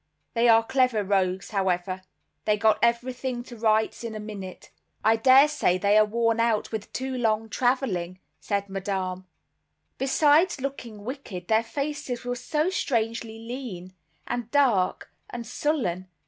They are clever rogues, however; they got everything to rights in a minute." "I dare say they are worn out with too long traveling," said Madame. "Besides looking wicked, their faces were so strangely lean, and dark, and sullen.